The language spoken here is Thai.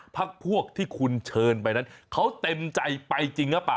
พักพวกที่คุณเชิญไปนั้นเขาเต็มใจไปจริงหรือเปล่า